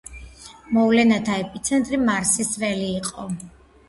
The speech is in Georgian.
მოვლენათა ეპიცენტრი მარსის ველი იყო.